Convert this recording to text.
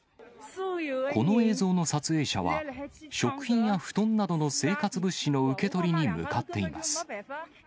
この映像の撮影者は、食品や布団などの生活物資の受け取りに向かっています。